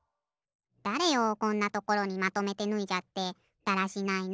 だれよこんなところにまとめてぬいじゃってだらしないな。